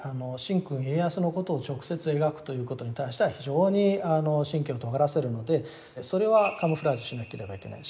神君家康のことを直接描くということに対しては非常に神経をとがらせるのでそれはカムフラージュしなければいけない。